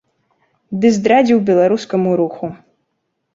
Ды здрадзіў беларускаму руху!